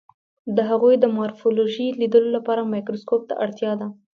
د هغوی د مارفولوژي لیدلو لپاره مایکروسکوپ ته اړتیا ده.